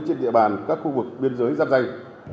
trên địa bàn các khu vực biên giới giáp danh